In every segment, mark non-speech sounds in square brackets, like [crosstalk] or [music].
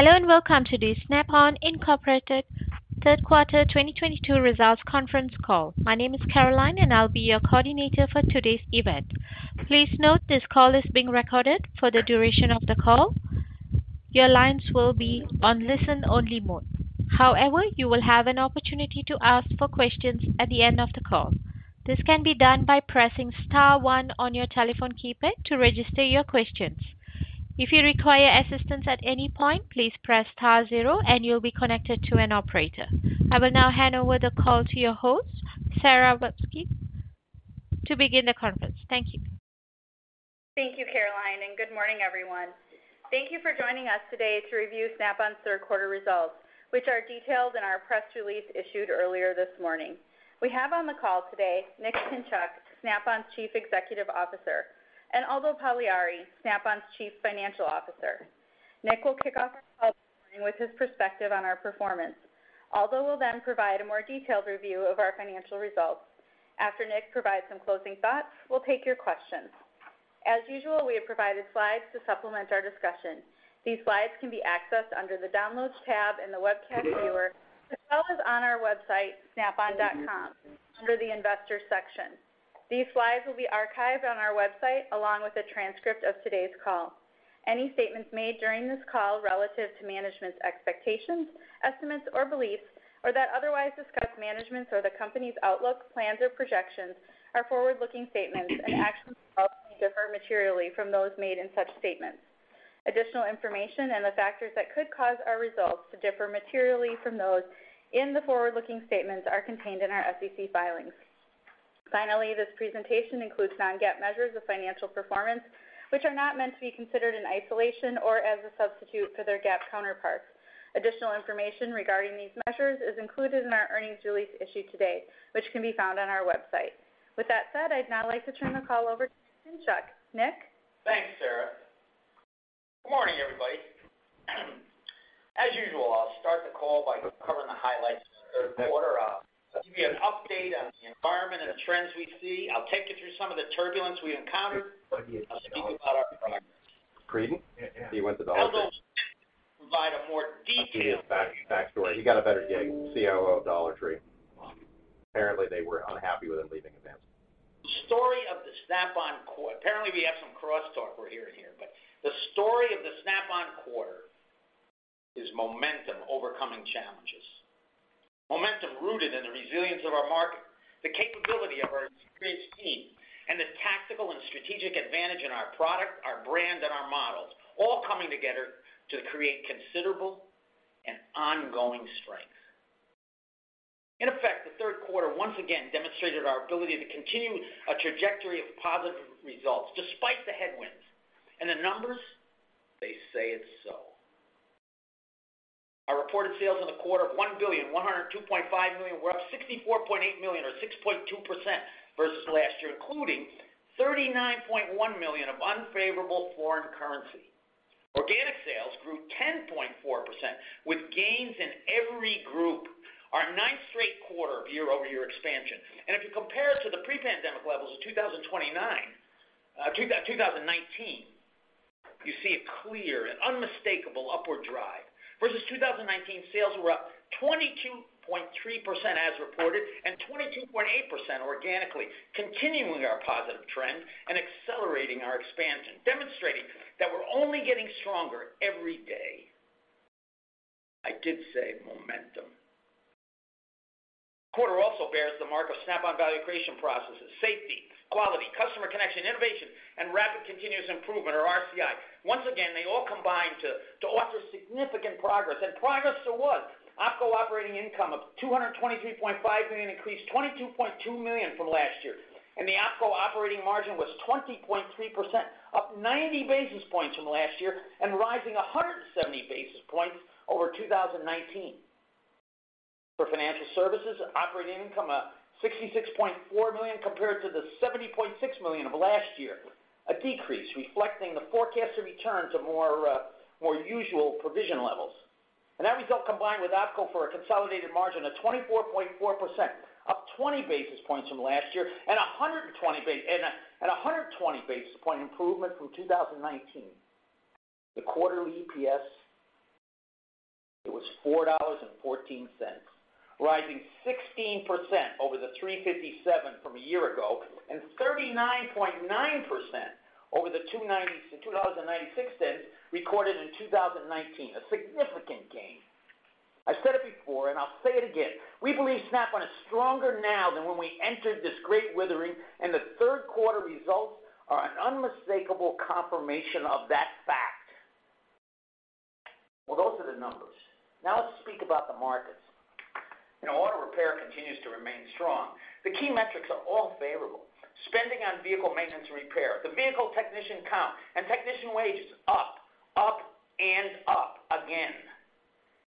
Hello, and welcome to the Snap-on Incorporated Third Quarter 2022 Results Conference Call. My name is Caroline, and I'll be your coordinator for today's event. Please note this call is being recorded. For the duration of the call, your lines will be on listen-only mode. However, you will have an opportunity to ask for questions at the end of the call. This can be done by pressing star one on your telephone keypad to register your questions. If you require assistance at any point, please press star zero, and you'll be connected to an operator. I will now hand over the call to your host, Sara Verbsky, to begin the conference. Thank you. Thank you, Caroline, and good morning, everyone. Thank you for joining us today to review Snap-on's Third Quarter Results, which are detailed in our press release issued earlier this morning. We have on the call today Nick Pinchuk, Snap-on's Chief Executive Officer, and Aldo Pagliari, Snap-on's Chief Financial Officer. Nick will kick off our call with his perspective on our performance. Aldo will then provide a more detailed review of our financial results. After Nick provides some closing thoughts, we'll take your questions. As usual, we have provided slides to supplement our discussion. These slides can be accessed under the Downloads tab in the webcast viewer, as well as on our website, snapon.com, under the Investors section. These slides will be archived on our website along with a transcript of today's call. Any statements made during this call relative to management's expectations, estimates, or beliefs, or that otherwise discuss management's or the company's outlook, plans, or projections are forward-looking statements, and actual results may differ materially from those made in such statements. Additional information and the factors that could cause our results to differ materially from those in the forward-looking statements are contained in our SEC filings. Finally, this presentation includes non-GAAP measures of financial performance, which are not meant to be considered in isolation or as a substitute for their GAAP counterparts. Additional information regarding these measures is included in our earnings release issued today, which can be found on our website. With that said, I'd now like to turn the call over to Pinchuk. Nick? Thanks, Sara. Good morning, everybody. As usual, I'll start the call by covering the highlights of the third quarter. I'll give you an update on the environment and the trends we see. I'll take you through some of the turbulence we encountered. I'll speak about our progress. [crosstalk] [crosstalk] [crosstalk] The story of the Snap-on quarter. Apparently, we have some crosstalk we're hearing here, but the story of the Snap-on quarter is momentum overcoming challenges. Momentum rooted in the resilience of our market, the capability of our experienced team, and the tactical and strategic advantage in our product, our brand, and our models, all coming together to create considerable and ongoing strength. In effect, the third quarter once again demonstrated our ability to continue a trajectory of positive results despite the headwinds. The numbers, they say it so. Our reported sales in the quarter of $1,102.5 million were up $64.8 million or 6.2% versus last year, including $39.1 million of unfavorable foreign currency. Organic sales grew 10.4% with gains in every group, our ninth straight quarter of year-over-year expansion. If you compare us to the pre-pandemic levels of 2019, you see a clear and unmistakable upward drive. Versus 2019, sales were up 22.3% as reported and 22.8% organically, continuing our positive trend and accelerating our expansion, demonstrating that we're only getting stronger every day. I did say momentum. Quarter also bears the mark of Snap-on value creation processes, safety, quality, customer connection, innovation, and rapid continuous improvement or RCI. Once again, they all combine to offer significant progress. Progress there was. OpCo operating income of $223.5 million increased $22.2 million from last year. The OpCo operating margin was 20.3%, up 90 basis points from last year and rising 170 basis points over 2019. For financial services, operating income up $66.4 million compared to the $70.6 million of last year, a decrease reflecting the forecasted return to more usual provision levels. That result combined with OpCo for a consolidated margin of 24.4%, up 20 basis points from last year and a hundred and twenty basis point improvement from 2019. The quarterly EPS, it was $4.14, rising 16% over the $3.57 from a year ago and 39.9% over the $2.96 recorded in 2019, a significant gain. I said it before, and I'll say it again. We believe Snap-on is stronger now than when we entered this great weathering, and the third quarter results are an unmistakable confirmation of that fact. Well, those are the numbers. Now let's speak about the markets. You know, auto repair continues to remain strong. The key metrics are all favorable. Spending on vehicle maintenance and repair, the vehicle technician count, and technician wages up, and up again.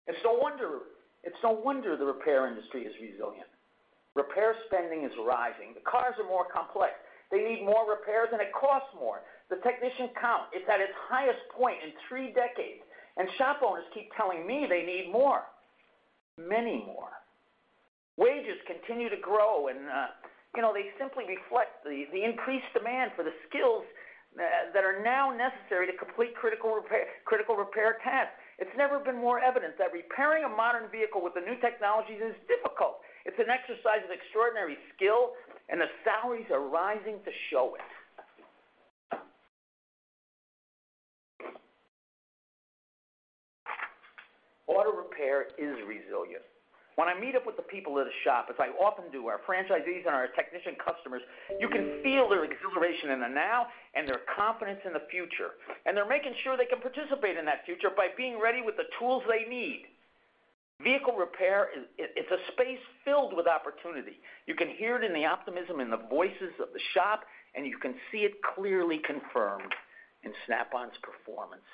It's no wonder the repair industry is resilient. Repair spending is rising. The cars are more complex. They need more repairs, and it costs more. The technician count is at its highest point in three decades, and shop owners keep telling me they need more, many more. Wages continue to grow, and you know, they simply reflect the increased demand for the skills that are now necessary to complete critical repair tasks. It's never been more evident that repairing a modern vehicle with the new technologies is difficult. It's an exercise of extraordinary skill, and the salaries are rising to show it. Auto repair is resilient. When I meet up with the people at a shop, as I often do, our franchisees and our technician customers, you can feel their exhilaration in the now and their confidence in the future, and they're making sure they can participate in that future by being ready with the tools they need. Vehicle repair is, it's a space filled with opportunity. You can hear it in the optimism in the voices of the shop, and you can see it clearly confirmed in Snap-on's performance.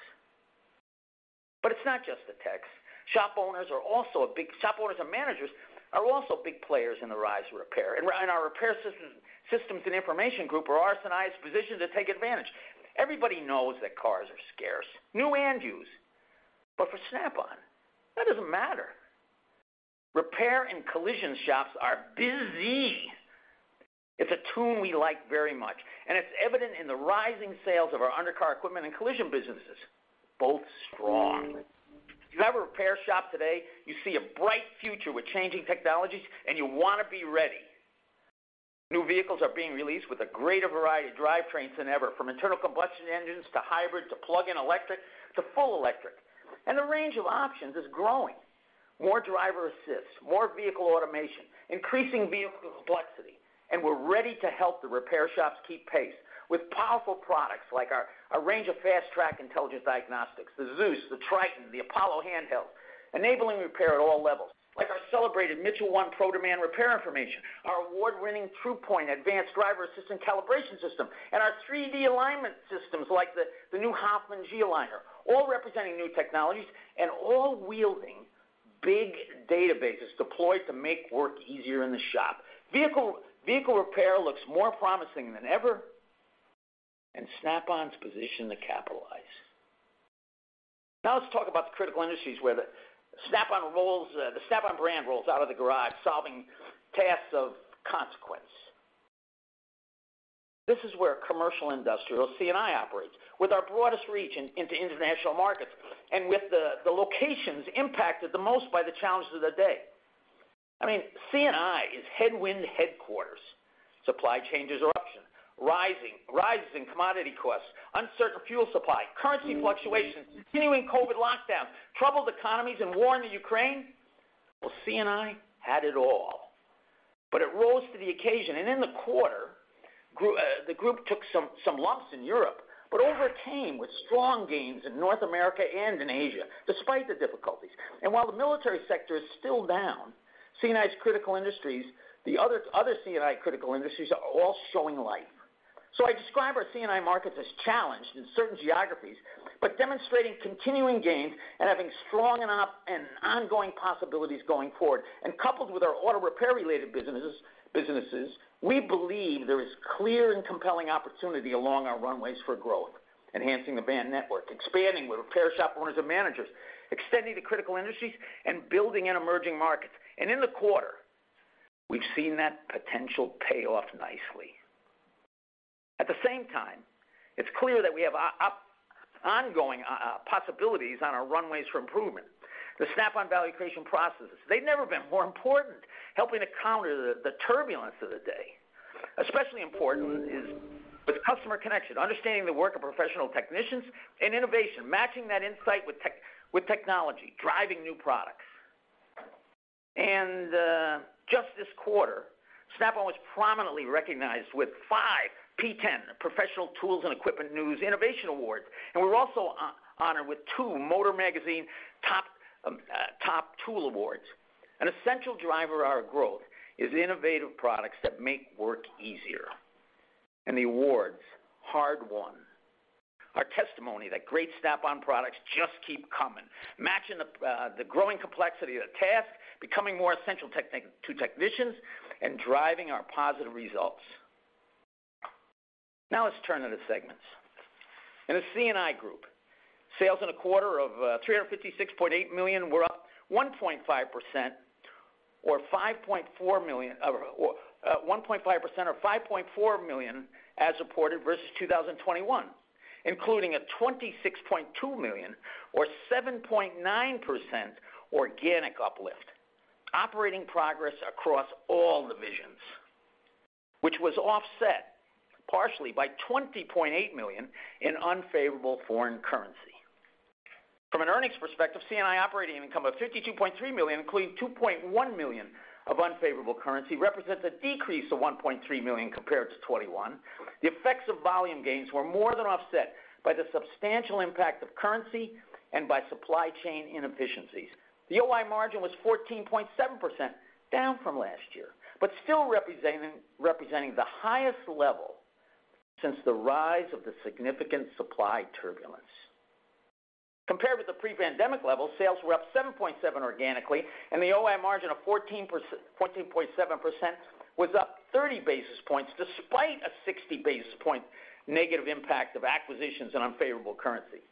It's not just the techs. Shop owners and managers are also big players in the rise of repair. Our Repair Systems & Information Group is in a strong position to take advantage. Everybody knows that cars are scarce, new and used. For Snap-on, that doesn't matter. Repair and collision shops are busy. It's a boon we like very much, and it's evident in the rising sales of our undercar equipment and collision businesses, both strong. If you have a repair shop today, you see a bright future with changing technologies, and you want to be ready. New vehicles are being released with a greater variety of drivetrains than ever, from internal combustion engines to hybrid, to plug-in electric to full electric, and the range of options is growing. More driver assists, more vehicle automation, increasing vehicle complexity, and we're ready to help the repair shops keep pace with powerful products like our range of Fast-Track Intelligent Diagnostics, the ZEUS, the Triton, the Apollo handheld, enabling repair at all levels, like our celebrated Mitchell 1 ProDemand, our award-winning Tru-Point Advanced Driver Assistance Systems Calibration System, and our 3D alignment systems like the new Hofmann GeoLiner, all representing new technologies and all wielding big databases deployed to make work easier in the shop. Vehicle repair looks more promising than ever, and Snap-on's positioned to capitalize. Now let's talk about the critical industries where the Snap-on brand rolls out of the garage, solving tasks of consequence. This is where Commercial & Industrial C&I operates with our broadest reach into international markets and with the locations impacted the most by the challenges of the day. I mean, C&I is headwind headquarters, supply chain disruptions, rises in commodity costs, uncertain fuel supply, currency fluctuations, continuing COVID lockdowns, troubled economies, and war in Ukraine. Well, C&I had it all. It rose to the occasion, and in the quarter, grew, the group took some lumps in Europe, but overcame with strong gains in North America and in Asia despite the difficulties. While the military sector is still down, C&I's critical industries, the other C&I critical industries are all showing life. I describe our C&I markets as challenged in certain geographies, but demonstrating continuing gains and having strong enough and ongoing possibilities going forward. Coupled with our auto repair related businesses, we believe there is clear and compelling opportunity along our runways for growth, enhancing the brand network, expanding with repair shop owners and managers, extending to critical industries and building in emerging markets. In the quarter, we've seen that potential pay off nicely. At the same time, it's clear that we have ongoing possibilities on our runways for improvement. The Snap-on value creation processes, they've never been more important, helping to counter the turbulence of the day. Especially important is the customer connection, understanding the work of professional technicians and innovation, matching that insight with technology, driving new products. Just this quarter, Snap-on was prominently recognized with five PTEN Professional Tool & Equipment News Innovation Awards, and we're also honored with two MOTOR Magazine Top 20 Tools Awards. An essential driver of our growth is innovative products that make work easier. The awards, hard won, are testimony that great Snap-on products just keep coming, matching the growing complexity of the task, becoming more essential tech to technicians, and driving our positive results. Now let's turn to the segments. In the C&I group, sales in the quarter of $356.8 million were up 1.5% or $5.4 million as reported versus 2021, including a $26.2 million or 7.9% organic uplift. Operating income across all divisions, which was offset partially by $20.8 million in unfavorable foreign currency. From an earnings perspective, C&I operating income of $52.3 million, including $2.1 million of unfavorable currency, represents a decrease of $1.3 million compared to 2021. The effects of volume gains were more than offset by the substantial impact of currency and by supply chain inefficiencies. The OI margin was 14.7%, down from last year, but still representing the highest level since the rise of the significant supply turbulence. Compared with the pre-pandemic level, sales were up 7.7% organically, and the OI margin of 14.7% was up 30 basis points despite a 60 basis point negative impact of acquisitions and unfavorable currency.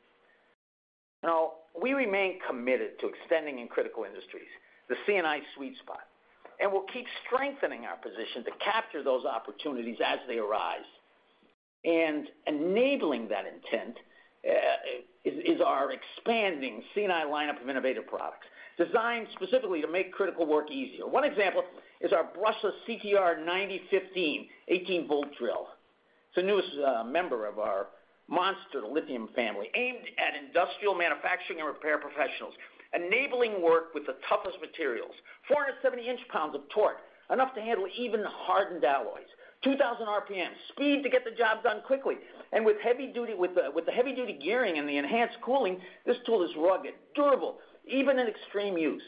Now, we remain committed to extending in critical industries, the C&I sweet spot, and we'll keep strengthening our position to capture those opportunities as they arise. Enabling that intent is our expanding C&I lineup of innovative products designed specifically to make critical work easier. One example is our brushless CTR9015 18-volt drill. It's the newest member of our MonsterLithium family, aimed at industrial manufacturing and repair professionals, enabling work with the toughest materials. 470 inch-pounds of torque, enough to handle even hardened alloys. 2,000 RPMs, speed to get the job done quickly, and with the heavy-duty gearing and the enhanced cooling, this tool is rugged, durable, even in extreme use.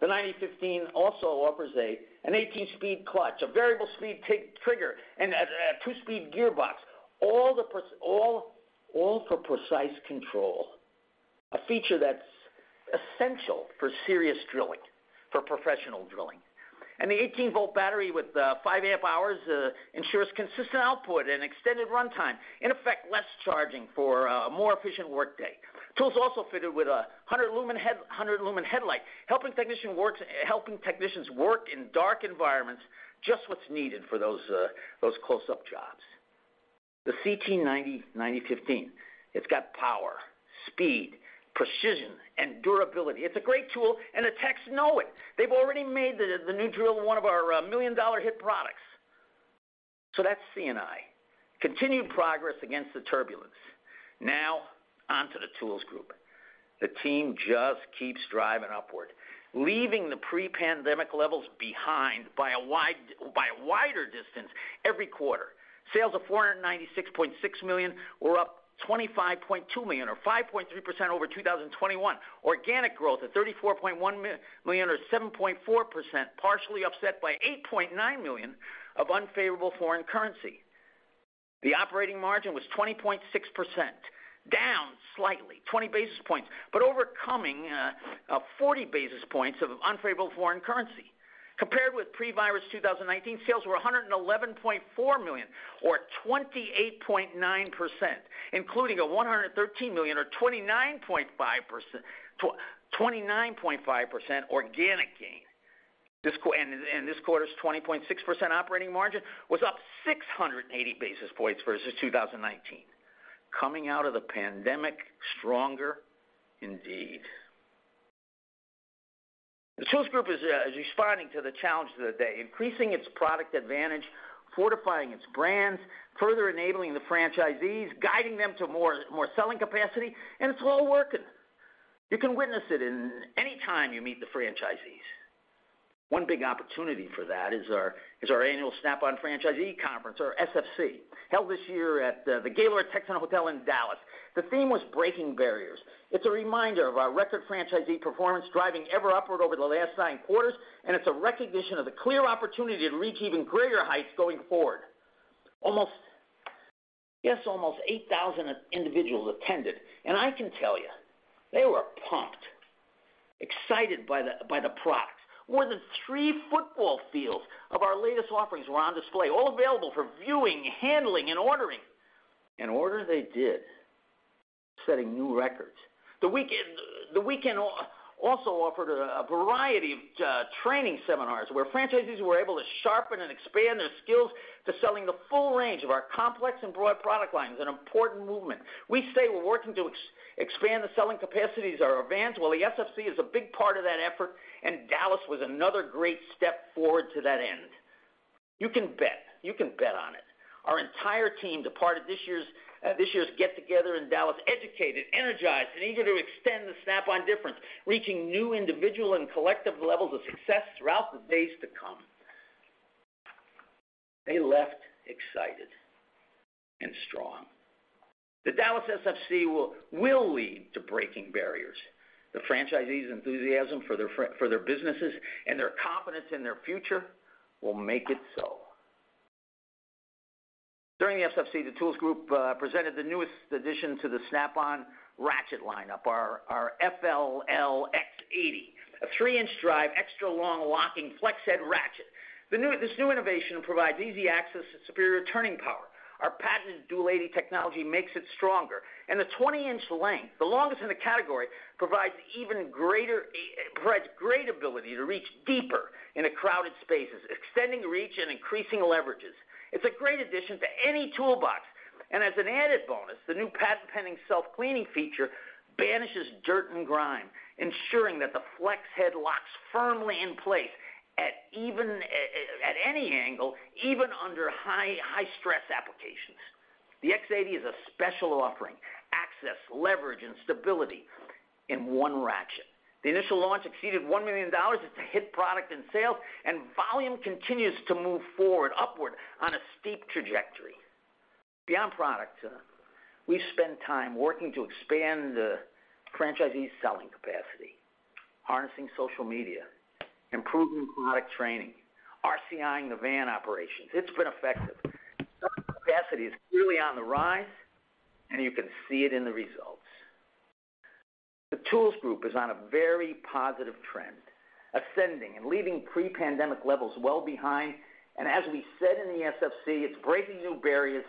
The 9015 also offers an 18-speed clutch, a variable speed tri-trigger, and a 2-speed gearbox, all for precise control, a feature that's essential for serious drilling, for professional drilling. The 18-volt battery with 5 amp hours ensures consistent output and extended runtime. In effect, less charging for a more efficient workday. The tool's also fitted with a 100-lumen headlight, helping technicians work in dark environments, just what's needed for those close-up jobs. The CT9015, it's got power, speed, precision, and durability. It's a great tool, and the techs know it. They've already made the new drill one of our million-dollar hit products. That's C&I, continued progress against the turbulence. Now on to the tools group. The team just keeps driving upward, leaving the pre-pandemic levels behind by a wider distance every quarter. Sales of $496.6 million were up $25.2 million, or 5.3% over 2021. Organic growth at $34.1 million, or 7.4%, partially offset by $8.9 million of unfavorable foreign currency. The operating margin was 20.6%, down slightly, 20 basis points, but overcoming 40 basis points of unfavorable foreign currency. Compared with pre-virus 2019, sales were $111.4 million or 28.9%, including a $113 million or 29.5% organic gain. This quarter's 20.6% operating margin was up 680 basis points versus 2019. Coming out of the pandemic stronger indeed. The tools group is responding to the challenge of the day, increasing its product advantage, fortifying its brands, further enabling the franchisees, guiding them to more selling capacity, and it's all working. You can witness it any time you meet the franchisees. One big opportunity for that is our annual Snap-on Franchisee Conference or SFC, held this year at the Gaylord Texan Hotel in Dallas. The theme was Breaking Barriers. It's a reminder of our record franchisee performance driving ever upward over the last nine quarters, and it's a recognition of the clear opportunity to reach even greater heights going forward. Almost eight thousand individuals attended, and I can tell you they were pumped, excited by the products. More than three football fields of our latest offerings were on display, all available for viewing, handling, and ordering. Order they did, setting new records. The weekend also offered a variety of training seminars where franchisees were able to sharpen and expand their skills to selling the full range of our complex and broad product lines, an important movement. We say we're working to expand the selling capacities of our vans. Well, the SFC is a big part of that effort, and Dallas was another great step forward to that end. You can bet. You can bet on it. Our entire team departed this year's get-together in Dallas educated, energized, and eager to extend the Snap-on difference, reaching new individual and collective levels of success throughout the days to come. They left excited and strong. The Dallas SFC will lead to breaking barriers. The franchisees' enthusiasm for their businesses and their confidence in their future will make it so. During the SFC, the tools group presented the newest addition to the Snap-on ratchet lineup, our FLLX80, a 3/8-inch drive, extra-long locking flex head ratchet. This new innovation provides easy access and superior turning power. Our patented Dual 80 Technology makes it stronger, and the 20-inch length, the longest in the category, provides great ability to reach deeper into crowded spaces, extending reach and increasing leverage. It's a great addition to any toolbox, and as an added bonus, the new patent-pending self-cleaning feature banishes dirt and grime, ensuring that the flex head locks firmly in place at any angle, even under high-stress applications. The X80 is a special offering, access, leverage, and stability in one ratchet. The initial launch exceeded $1 million. It's a hit product in sales, and volume continues to move forward, upward on a steep trajectory. Beyond product, we've spent time working to expand the franchisees' selling capacity, harnessing social media, improving product training, RCI-ing the van operations. It's been effective. Selling capacity is clearly on the rise, and you can see it in the results. The Tools Group is on a very positive trend, ascending and leaving pre-pandemic levels well behind. As we said in the SFC, it's breaking new barriers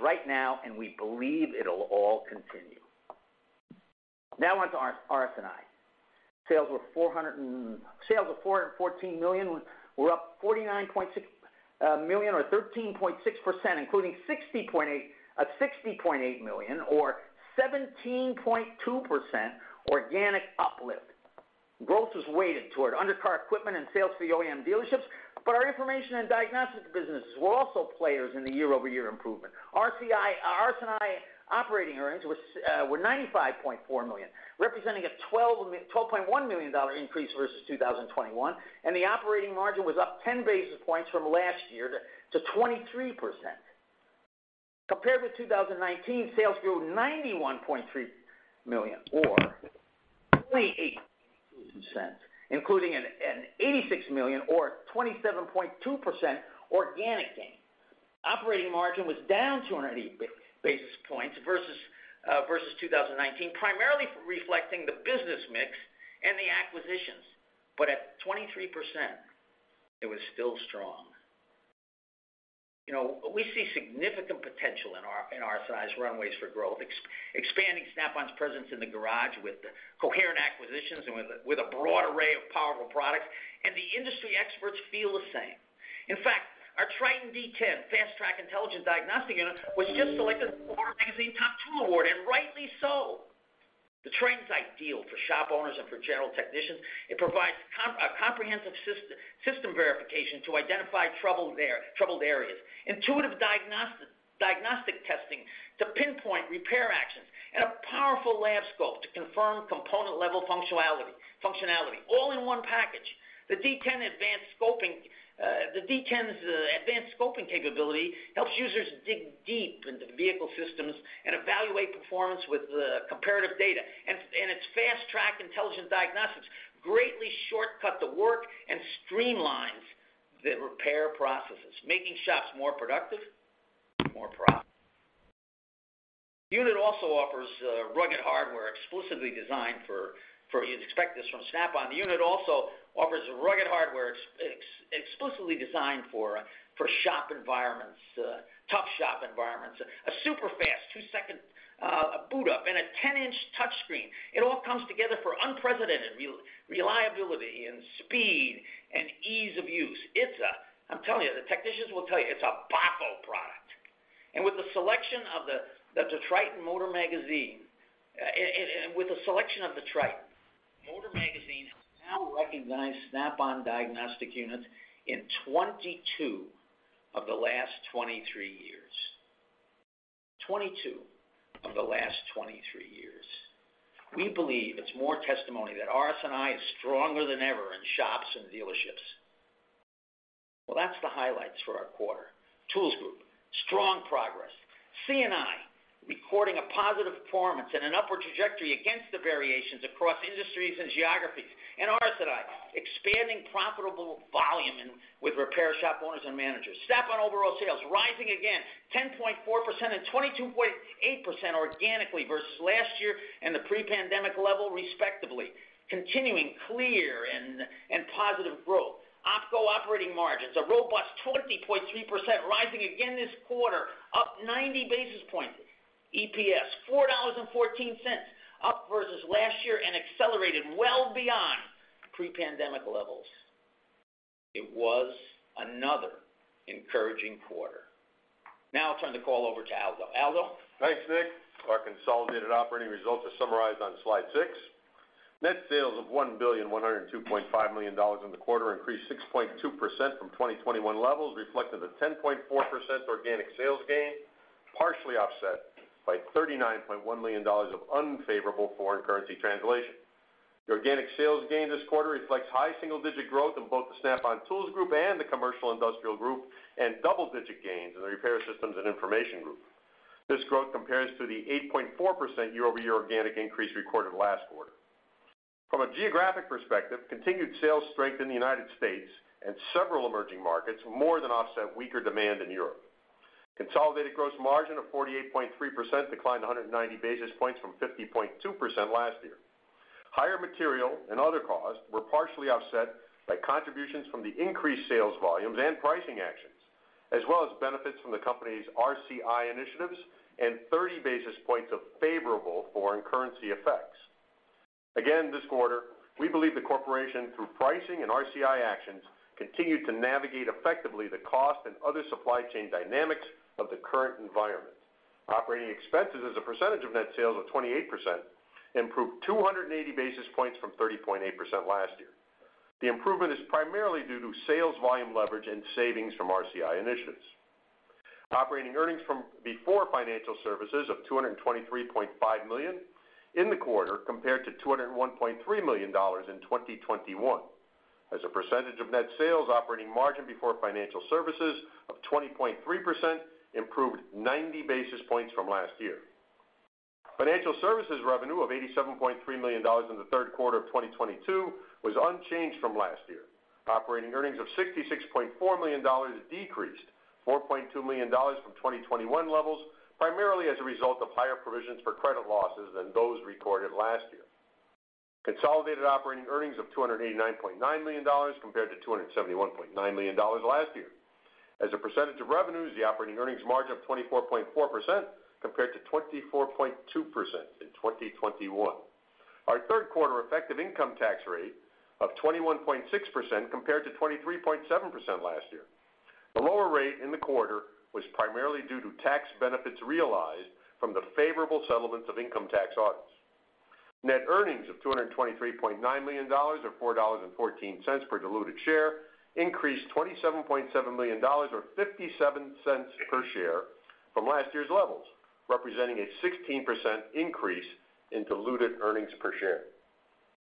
right now, and we believe it'll all continue. Now on to RS&I. Sales of $414 million were up $49.6 million or 13.6%, including a $60.8 million or 17.2% organic uplift. Growth was weighted toward undercar equipment and sales for the OEM dealerships, but our information and diagnostic businesses were also players in the year-over-year improvement. RS&I operating earnings were $95.4 million, representing a $12.1 million increase versus 2021, and the operating margin was up 10 basis points from last year to 23%. Compared with 2019, sales grew $91.3 million or 28%, including an $86 million or 27.2% organic gain. Operating margin was down 280 basis points versus 2019, primarily reflecting the business mix and the acquisitions. At 23%, it was still strong. You know, we see significant potential in RS&I's runways for growth, expanding Snap-on's presence in the garage with coherent acquisitions and with a broad array of powerful products, and the industry experts feel the same. In fact, our Triton D10 Fast-Track Intelligent Diagnostic Unit was just selected for MOTOR Magazine Top 20 Tools Award, and rightly so. The Triton's ideal for shop owners and for general technicians. It provides a comprehensive system verification to identify troubled areas, intuitive diagnostic testing to pinpoint repair actions, and a powerful lab scope to confirm component-level functionality, all in one package. The D10's advanced scoping capability helps users dig deep into vehicle systems and evaluate performance with comparative data. Its Fast-Track Intelligent Diagnostics greatly shortcut the work and streamlines the repair processes, making shops more productive, more profitable. The unit also offers rugged hardware exclusively designed for shop environments, tough shop environments, a superfast two-second boot-up and a 10-inch touchscreen. It all comes together for unprecedented reliability and speed and ease of use. It's a BOGO product. I'm telling you, the technicians will tell you, it's a BOGO product. With the selection of the TRITON, Motor Magazine now recognized Snap-on diagnostic units in 22 of the last 23 years. We believe it's more testimony that RS&I is stronger than ever in shops and dealerships. Well, that's the highlights for our quarter. Tools Group, strong progress. C&I, recording a positive performance and an upward trajectory against the variations across industries and geographies. RS&I, expanding profitable volume in with repair shop owners and managers. Snap-on overall sales rising again 10.4% and 22.8% organically versus last year and the pre-pandemic level, respectively. Continuing clear and positive growth. OpCo operating margins, a robust 20.3%, rising again this quarter, up 90 basis points. EPS, $4.14, up versus last year and accelerated well beyond pre-pandemic levels. It was another encouraging quarter. Now I'll turn the call over to Aldo. Aldo? Thanks, Nick. Our consolidated operating results are summarized on slide six. Net sales of $1,102.5 million in the quarter increased 6.2% from 2021 levels, reflecting the 10.4% organic sales gain, partially offset by $39.1 million of unfavorable foreign currency translation. The organic sales gain this quarter reflects high single-digit growth in both the Snap-on Tools Group and the Commercial & Industrial Group, and double-digit gains in the Repair Systems & Information Group. This growth compares to the 8.4% year-over-year organic increase recorded last quarter. From a geographic perspective, continued sales strength in the United States and several emerging markets more than offset weaker demand in Europe. Consolidated gross margin of 48.3% declined 190 basis points from 50.2% last year. Higher material and other costs were partially offset by contributions from the increased sales volumes and pricing actions, as well as benefits from the company's RCI initiatives and 30 basis points of favorable foreign currency effects. Again, this quarter, we believe the corporation, through pricing and RCI actions, continued to navigate effectively the cost and other supply chain dynamics of the current environment. Operating expenses as a percentage of net sales of 28% improved 280 basis points from 30.8% last year. The improvement is primarily due to sales volume leverage and savings from RCI initiatives. Operating earnings before financial services of $223.5 million in the quarter, compared to $201.3 million in 2021. As a percentage of net sales, operating margin before financial services of 20.3% improved 90 basis points from last year. Financial services revenue of $87.3 million in the third quarter of 2022 was unchanged from last year. Operating earnings of $66.4 million decreased $4.2 million from 2021 levels, primarily as a result of higher provisions for credit losses than those recorded last year. Consolidated operating earnings of $289.9 million compared to $271.9 million last year. As a percentage of revenues, the operating earnings margin of 24.4% compared to 24.2% in 2021. Our third quarter effective income tax rate of 21.6% compared to 23.7% last year. The lower rate in the quarter was primarily due to tax benefits realized from the favorable settlements of income tax audits. Net earnings of $223.9 million or $4.14 per diluted share increased $27.7 million or $0.57 per share from last year's levels, representing a 16% increase in diluted earnings per share.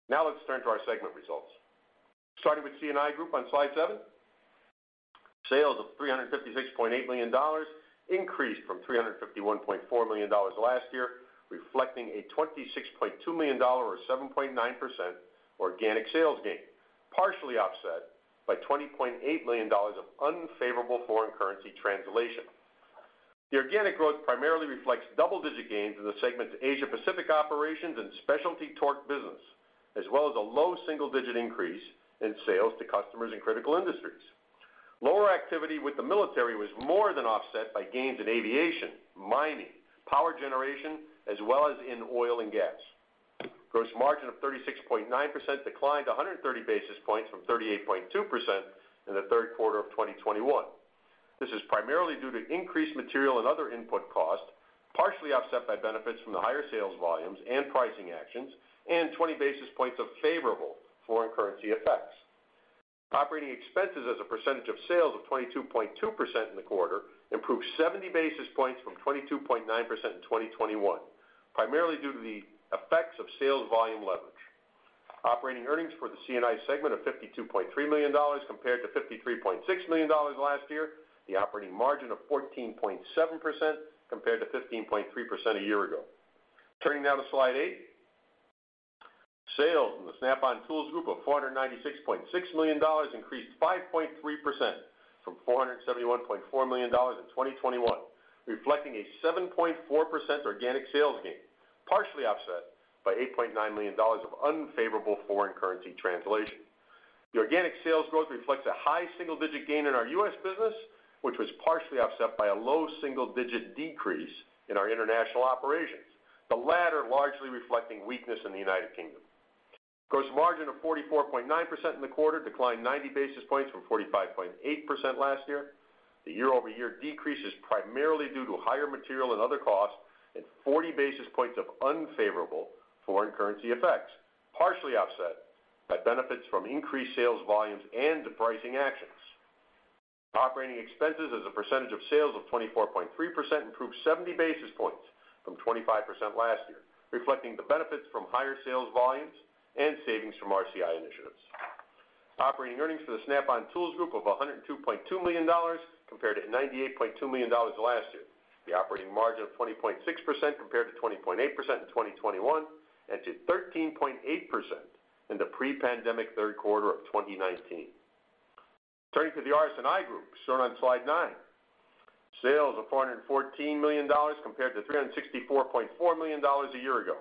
Now let's turn to our segment results. Starting with C&I Group on slide seven. Sales of $356.8 million increased from $351.4 million last year, reflecting a $26.2 million or 7.9% organic sales gain, partially offset by $20.8 million of unfavorable foreign currency translation. The organic growth primarily reflects double-digit gains in the segment's Asia Pacific operations and specialty torque business, as well as a low single-digit increase in sales to customers in critical industries. Lower activity with the military was more than offset by gains in aviation, mining, power generation, as well as in oil and gas. Gross margin of 36.9% declined 130 basis points from 38.2% in the third quarter of 2021. This is primarily due to increased material and other input costs, partially offset by benefits from the higher sales volumes and pricing actions, and 20 basis points of favorable foreign currency effects. Operating expenses as a percentage of sales of 22.2% in the quarter improved 70 basis points from 22.9% in 2021, primarily due to the effects of sales volume leverage. Operating earnings for the C&I segment of $52.3 million compared to $53.6 million last year. The operating margin of 14.7% compared to 15.3% a year ago. Turning now to slide eight. Sales in the Snap-on Tools Group of $496.6 million increased 5.3% from $471.4 million in 2021, reflecting a 7.4% organic sales gain, partially offset by $8.9 million of unfavorable foreign currency translation. The organic sales growth reflects a high single digit gain in our U.S. business, which was partially offset by a low single digit decrease in our international operations, the latter largely reflecting weakness in the United Kingdom. Gross margin of 44.9% in the quarter declined 90 basis points from 45.8% last year. The year-over-year decrease is primarily due to higher material and other costs and 40 basis points of unfavorable foreign currency effects, partially offset by benefits from increased sales volumes and the pricing actions. Operating expenses as a percentage of sales of 24.3% improved 70 basis points from 25% last year, reflecting the benefits from higher sales volumes and savings from RCI initiatives. Operating earnings for the Snap-on Tools Group of $102.2 million compared to $98.2 million last year. The operating margin of 20.6% compared to 20.8% in 2021 and to 13.8% in the pre-pandemic third quarter of 2019. Turning to the RS&I Group shown on slide nine. Sales of $414 million compared to $364.4 million a year ago,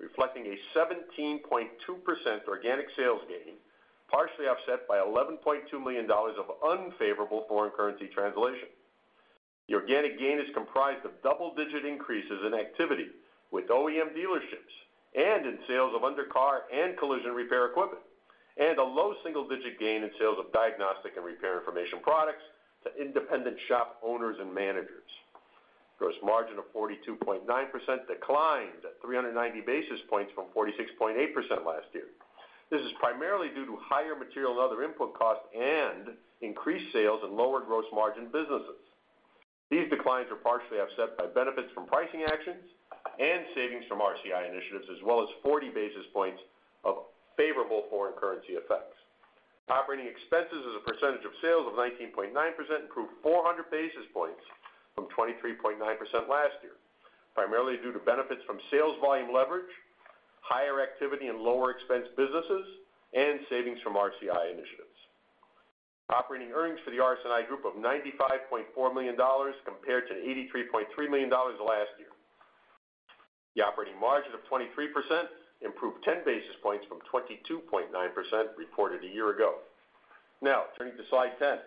reflecting a 17.2% organic sales gain, partially offset by $11.2 million of unfavorable foreign currency translation. The organic gain is comprised of double-digit increases in activity with OEM dealerships and in sales of under car and collision repair equipment, and a low single digit gain in sales of diagnostic and repair information products to independent shop owners and managers. Gross margin of 42.9% declined 390 basis points from 46.8% last year. This is primarily due to higher material and other input costs and increased sales in lower gross margin businesses. These declines were partially offset by benefits from pricing actions and savings from RCI initiatives, as well as 40 basis points of favorable foreign currency effects. Operating expenses as a percentage of sales of 19.9% improved 400 basis points from 23.9% last year, primarily due to benefits from sales volume leverage, higher activity in lower expense businesses, and savings from RCI initiatives. Operating earnings for the RS&I Group of $95.4 million compared to $83.3 million last year. The operating margin of 23% improved 10 basis points from 22.9% reported a year ago. Now, turning to slide 10.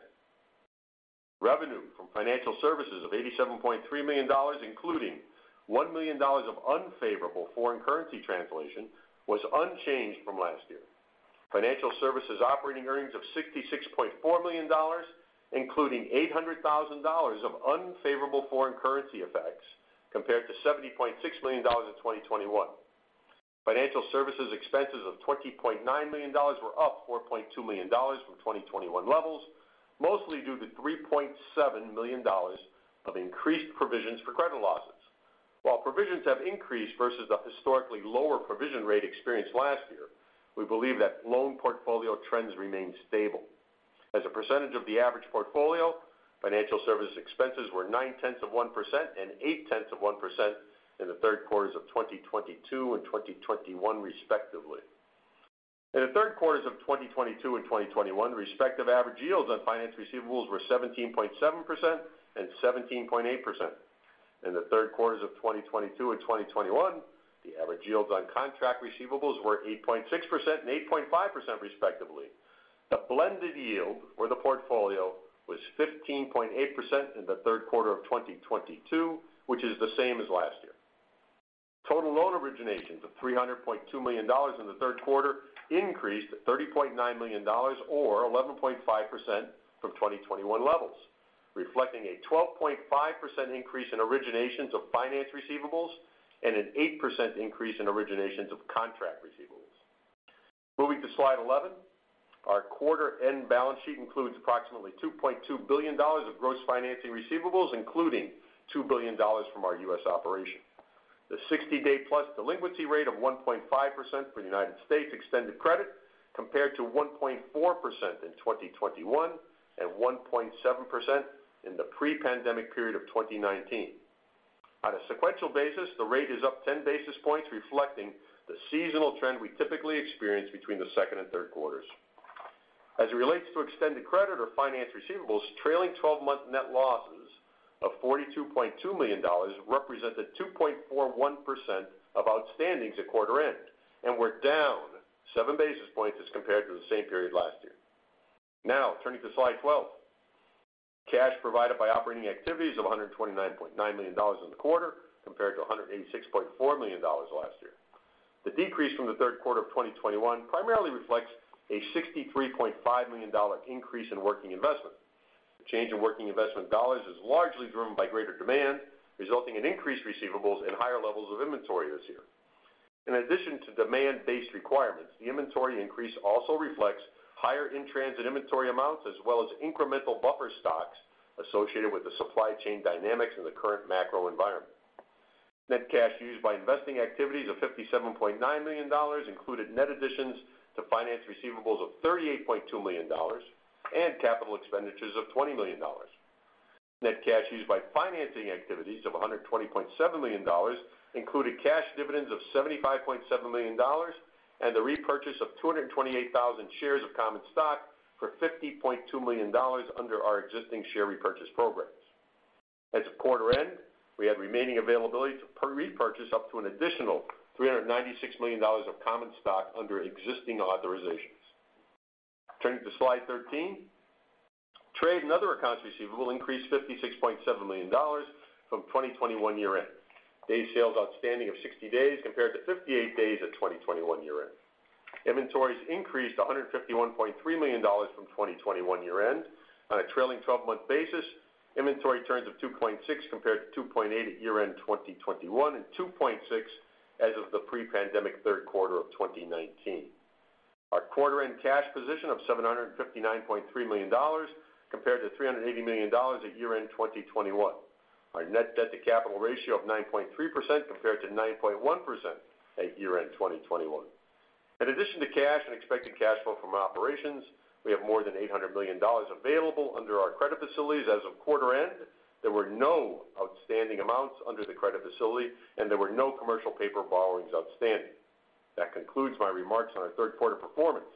Revenue from financial services of $87.3 million, including $1 million of unfavorable foreign currency translation, was unchanged from last year. Financial services operating earnings of $66.4 million, including $800,000 of unfavorable foreign currency effects, compared to $70.6 million in 2021. Financial services expenses of $20.9 million were up $4.2 million from 2021 levels, mostly due to $3.7 million of increased provisions for credit losses. While provisions have increased versus the historically lower provision rate experienced last year, we believe that loan portfolio trends remain stable. As a percentage of the average portfolio, financial services expenses were 0.9% and 0.8% in the third quarters of 2022 and 2021 respectively. In the third quarters of 2022 and 2021, respective average yields on finance receivables were 17.7% and 17.8%. In the third quarters of 2022 and 2021, the average yields on contract receivables were 8.6% and 8.5% respectively. The blended yield for the portfolio was 15.8% in the third quarter of 2022, which is the same as last year. Total loan originations of $300.2 million in the third quarter increased by $30.9 million or 11.5% from 2021 levels, reflecting a 12.5% increase in originations of finance receivables and an 8% increase in originations of contract receivables. Moving to slide 11. Our quarter-end balance sheet includes approximately $2.2 billion of gross financing receivables, including $2 billion from our U.S. operation. The 60-day-plus delinquency rate of 1.5% for United States extended credit compared to 1.4% in 2021 and 1.7% in the pre-pandemic period of 2019. On a sequential basis, the rate is up 10 basis points, reflecting the seasonal trend we typically experience between the second and third quarters. As it relates to extended credit or finance receivables, trailing twelve-month net losses of $42.2 million represented 2.41% of outstandings at quarter end and were down 7 basis points as compared to the same period last year. Now turning to slide 12. Cash provided by operating activities of $129.9 million in the quarter compared to $186.4 million last year. The decrease from the third quarter of 2021 primarily reflects a $63.5 million increase in working investment. The change in working investment dollars is largely driven by greater demand, resulting in increased receivables and higher levels of inventory this year. In addition to demand-based requirements, the inventory increase also reflects higher in-transit inventory amounts as well as incremental buffer stocks associated with the supply chain dynamics in the current macro environment. Net cash used by investing activities of $57.9 million included net additions to finance receivables of $38.2 million and capital expenditures of $20 million. Net cash used by financing activities of $120.7 million included cash dividends of $75.7 million and the repurchase of 228,000 shares of common stock for $50.2 million under our existing share repurchase programs. At the quarter-end, we had remaining availability to repurchase up to an additional $396 million of common stock under existing authorizations. Turning to slide 13. Trade and other accounts receivable increased $56.7 million from 2021 year-end. Days sales outstanding of 60 days compared to 58 days at 2021 year-end. Inventories increased $151.3 million from 2021 year-end. On a trailing twelve-month basis, inventory turns of 2.6 compared to 2.8 at year-end 2021 and 2.6 as of the pre-pandemic third quarter of 2019. Our quarter-end cash position of $759.3 million compared to $380 million at year-end 2021. Our net debt to capital ratio of 9.3% compared to 9.1% at year-end 2021. In addition to cash and expected cash flow from operations, we have more than $800 million available under our credit facilities as of quarter-end. There were no outstanding amounts under the credit facility, and there were no commercial paper borrowings outstanding. That concludes my remarks on our third quarter performance.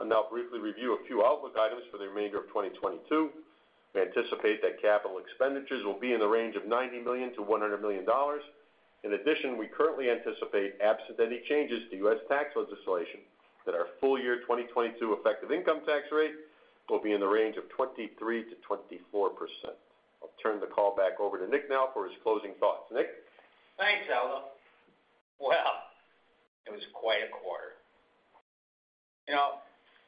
I'll now briefly review a few outlook items for the remainder of 2022. We anticipate that capital expenditures will be in the range of $90 million-$100 million. In addition, we currently anticipate, absent any changes to U.S. tax legislation, that our full year 2022 effective income tax rate will be in the range of 23%-24%. I'll turn the call back over to Nick now for his closing thoughts. Nick? Thanks, Aldo. Well, it was quite a quarter. You know,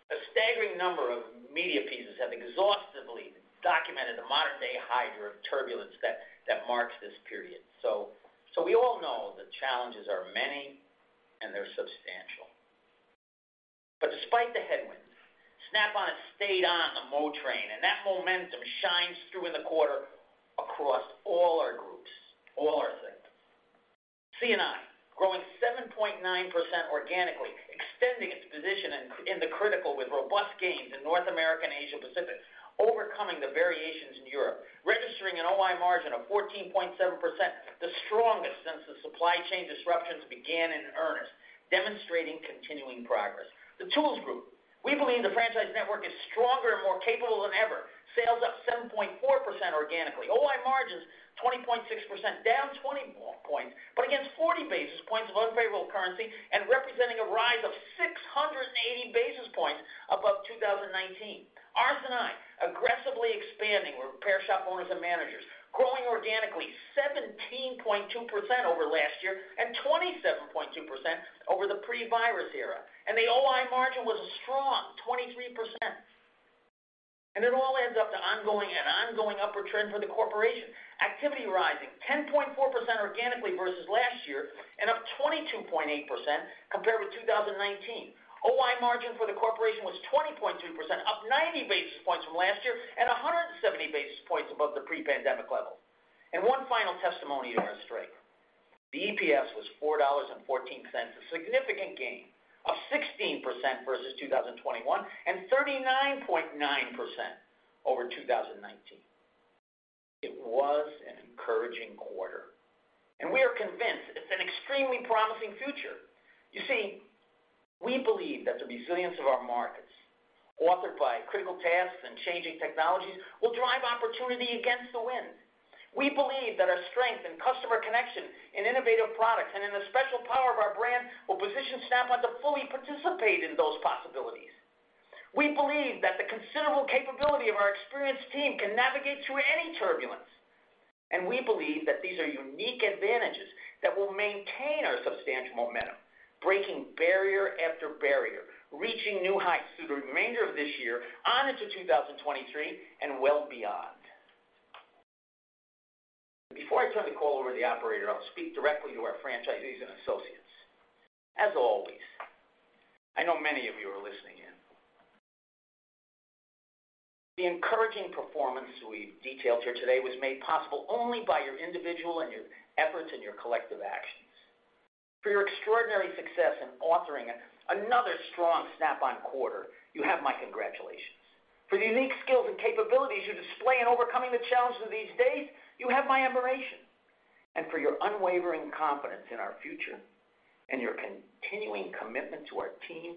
a staggering number of media pieces have exhaustively documented the modern-day hydra of turbulence that marks this period. We all know the challenges are many and they're substantial. Despite the headwinds, Snap-on has stayed on the momentum train, and that momentum shines through in the quarter across all our groups, all our things. C&I growing 7.9% organically, extending its position in the critical with robust gains in North America and Asia Pacific, overcoming the variations in Europe, registering an OI margin of 14.7%, the strongest since the supply chain disruptions began in earnest, demonstrating continuing progress. The tools group, we believe the franchise network is stronger and more capable than ever. Sales up 7.4% organically. OI margins 20.6%, down 20 points, but against 40 basis points of unfavorable currency and representing a rise of 680 basis points above 2019. RS&I aggressively expanding, repair shop owners and managers, growing organically 17.2% over last year and 27.2% over the pre-virus era. The OI margin was a strong 23%. It all adds up to ongoing upward trend for the corporation. Activity rising 10.4% organically versus last year and up 22.8% compared with 2019. OI margin for the corporation was 20.2%, up 90 basis points from last year and 170 basis points above the pre-pandemic level. One final testimony to our strength. The EPS was $4.40, a significant gain of 16% versus 2021, and 39.9% over 2019. It was an encouraging quarter, and we are convinced it's an extremely promising future. You see, we believe that the resilience of our markets, authored by critical tasks and changing technologies, will drive opportunity against the wind. We believe that our strength in customer connection, in innovative products, and in the special power of our brand will position Snap-on to fully participate in those possibilities. We believe that the considerable capability of our experienced team can navigate through any turbulence. We believe that these are unique advantages that will maintain our substantial momentum, breaking barrier after barrier, reaching new heights through the remainder of this year on into 2023 and well beyond. Before I turn the call over to the operator, I'll speak directly to our franchisees and associates. As always, I know many of you are listening in. The encouraging performance we've detailed here today was made possible only by your individual efforts and your collective actions. For your extraordinary success in authoring another strong Snap-on quarter, you have my congratulations. For the unique skills and capabilities you display in overcoming the challenges of these days, you have my admiration. For your unwavering confidence in our future and your continuing commitment to our team,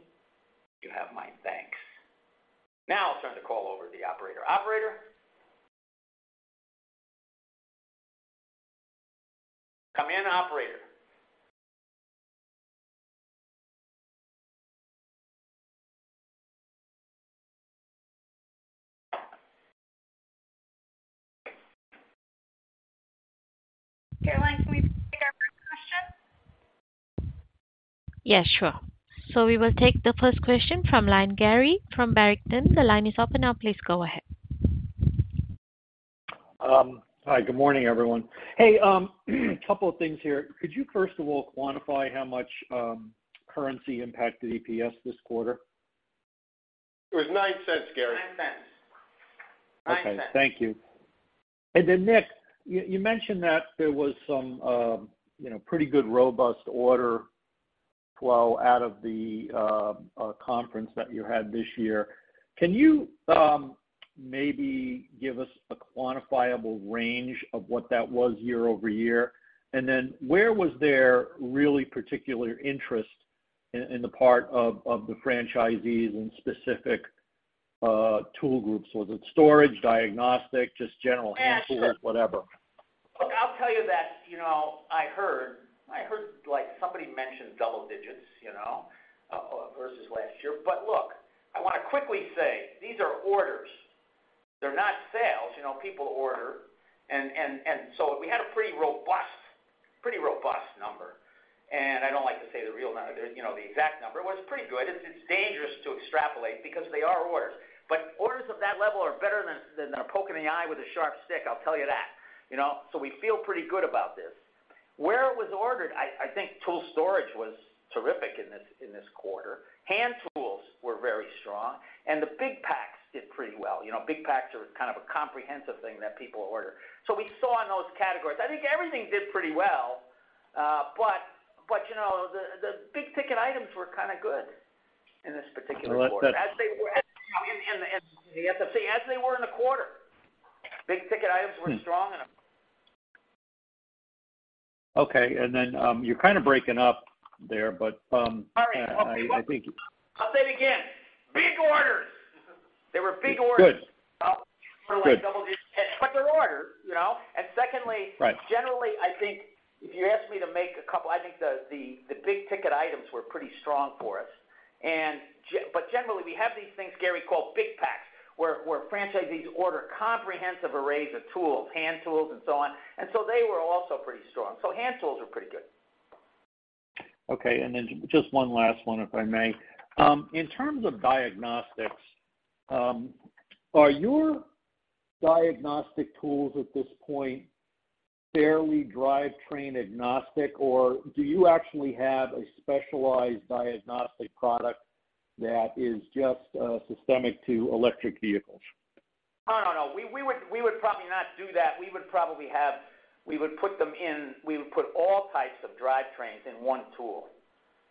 you have my thanks. Now I'll turn the call over to the operator. Operator? Come in, operator. Caroline, can we take our first question? Yeah, sure. We will take the first question from line, Gary from Barrington. The line is open now. Please go ahead. Hi. Good morning, everyone. Hey, a couple of things here. Could you first of all quantify how much currency impacted EPS this quarter? It was $0.09, Gary. $0.09. $0.09. Okay. Thank you. Nick, you mentioned that there was some, you know, pretty good robust order flow out of the conference that you had this year. Can you maybe give us a quantifiable range of what that was year-over-year? Where was there really particular interest in the part of the franchisees in specific tool groups? Was it storage, diagnostic, just general hand tools, whatever. Look, I'll tell you that, you know, I heard like somebody mention double digits, you know, versus last year. Look, I wanna quickly say, these are orders. They're not sales. You know, people order and so we had a pretty robust number. I don't like to say the real number, you know, the exact number. It was pretty good. It's dangerous to extrapolate because they are orders. Orders of that level are better than a poke in the eye with a sharp stick, I'll tell you that, you know. We feel pretty good about this. Where it was ordered, I think tool storage was terrific in this quarter. Hand tools were very strong, and the big packs did pretty well. You know, big packs are kind of a comprehensive thing that people order. We saw in those categories. I think everything did pretty well, but you know, the big ticket items were kind of good in this particular quarter. Well, that's. You have to say, as they were in the quarter, big ticket items were strong and. Okay. You're kind of breaking up there, but. Sorry. I think. I'll say it again. Big orders. There were big orders. Good. Good. For like double digits. They're orders, you know. Secondly. Right. Generally, I think the big ticket items were pretty strong for us. But generally, we have these things, Gary, called big packs, where franchisees order comprehensive arrays of tools, hand tools and so on. They were also pretty strong. Hand tools were pretty good. Just one last one, if I may. In terms of diagnostics, are your diagnostic tools at this point fairly drivetrain agnostic, or do you actually have a specialized diagnostic product that is just specific to electric vehicles? No, no. We would probably not do that. We would put all types of drivetrains in one tool.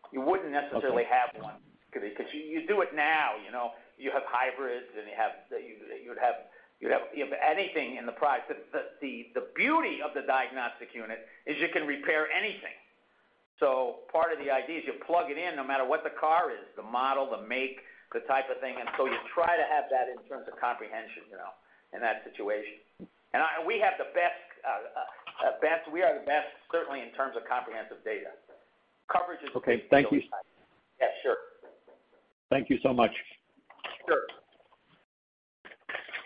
Okay. You wouldn't necessarily have one. 'Cause you do it now, you know. You have hybrids, and you have anything in the product. The beauty of the diagnostic unit is you can repair anything. Part of the idea is you plug it in no matter what the car is, the model, the make, the type of thing. You try to have that in terms of comprehension, you know, in that situation. We have the best, we are the best certainly in terms of comprehensive data. Coverage is. Okay. Thank you. Yeah, sure. Thank you so much. Sure.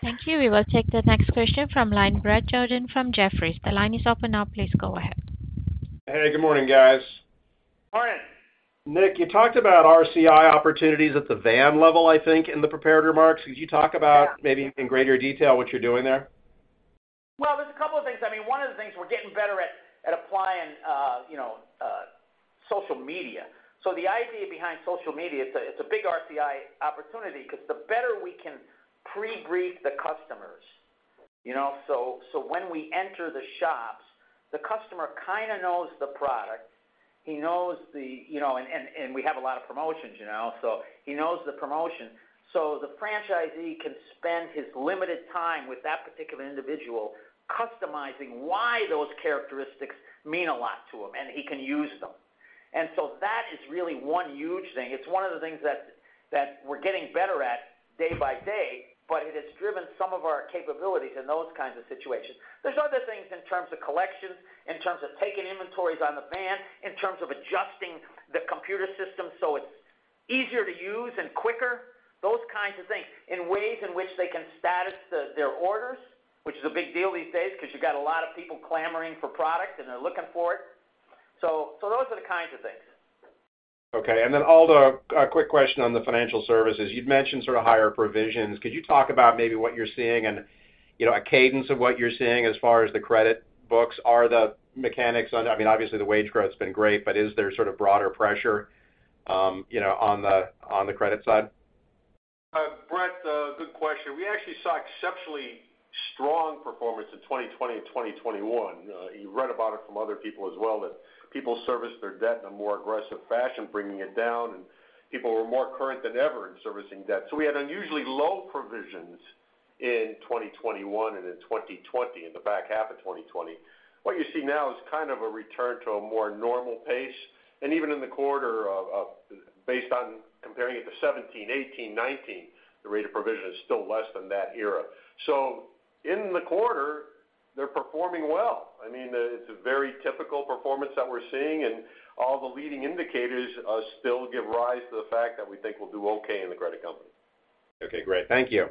Thank you. We will take the next question from line, Bret Jordan from Jefferies. The line is open now. Please go ahead. Hey, good morning, guys. Morning. Nick, you talked about RCI opportunities at the van level, I think, in the prepared remarks. Could you talk about maybe in greater detail what you're doing there? Well, there's a couple of things. I mean, one of the things we're getting better at applying, you know, social media. The idea behind social media, it's a big RCI opportunity because the better we can pre-brief the customers, you know, so when we enter the shops, the customer kind of knows the product. He knows the, you know, and we have a lot of promotions, you know, so he knows the promotion. So the franchisee can spend his limited time with that particular individual customizing why those characteristics mean a lot to him, and he can use them. That is really one huge thing. It's one of the things that we're getting better at day by day, but it has driven some of our capabilities in those kinds of situations. There's other things in terms of collections, in terms of taking inventories on the van, in terms of adjusting the computer system, so it's easier to use and quicker, those kinds of things. In ways in which they can status their orders, which is a big deal these days because you've got a lot of people clamoring for product and they're looking for it. Those are the kinds of things. Okay. Then Aldo, a quick question on the financial services. You'd mentioned sort of higher provisions. Could you talk about maybe what you're seeing and, you know, a cadence of what you're seeing as far as the credit books? Are the mechanics? I mean, obviously the wage growth has been great, but is there sort of broader pressure, you know, on the credit side? Bret, a good question. We actually saw exceptionally strong performance in 2020 and 2021. You read about it from other people as well, that people serviced their debt in a more aggressive fashion, bringing it down, and people were more current than ever in servicing debt. We had unusually low provisions in 2021 and in 2020, in the back half of 2020. What you see now is kind of a return to a more normal pace. Even in the quarter based on comparing it to 2017, 2018, 2019, the rate of provision is still less than that era. In the quarter, they're performing well. I mean, it's a very typical performance that we're seeing, and all the leading indicators still give rise to the fact that we think we'll do okay in the credit company. Okay, great. Thank you.